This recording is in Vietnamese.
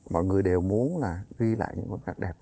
mọi người đều muốn ghi lại những bức ảnh đẹp